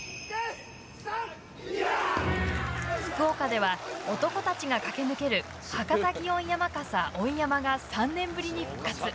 福岡では、男たちが駆け抜ける博多祇園花笠追い山笠が３年ぶりに復活。